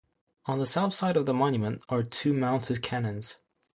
On the south side of the monument are two mounted cannons.